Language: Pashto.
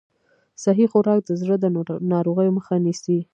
صحي خوراک د زړه د ناروغیو مخه نیسي.